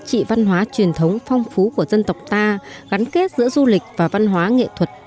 trị văn hóa truyền thống phong phú của dân tộc ta gắn kết giữa du lịch và văn hóa nghệ thuật